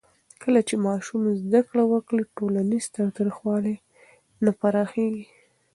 کله چې ماشومان زده کړه وکړي، ټولنیز تاوتریخوالی نه پراخېږي.